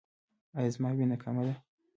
ایا زما وینه کمه ده؟